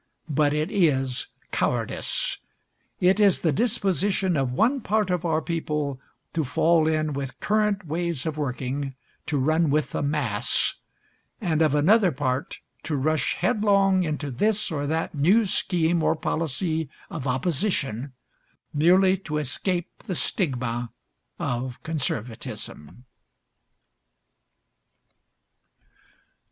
But it is cowardice. It is the disposition of one part of our people to fall in with current ways of working, to run with the mass; and of another part to rush headlong into this or that new scheme or policy of opposition, merely to escape the stigma of conservatism.